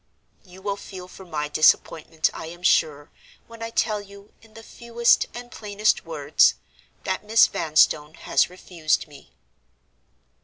"You will feel for my disappointment, I am sure, when I tell you, in the fewest and plainest words, that Miss Vanstone has refused me.